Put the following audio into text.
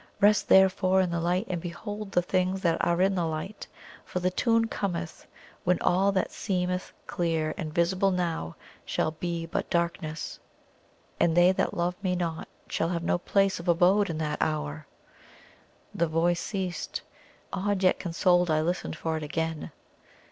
Rest therefore in the light and behold the things that are in the light, for the tune cometh when all that seemeth clear and visible now shall be but darkness. And they that love me not shall have no place of abode in that hour!" The voice ceased. Awed, yet consoled, I listened for it again.